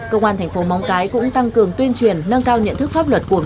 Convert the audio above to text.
công an tp móng cái đã bắt xử một mươi năm vụ